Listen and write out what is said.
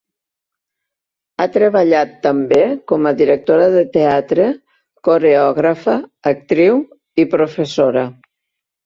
Ha treballat també com a directora de teatre, coreògrafa, actriu i professora.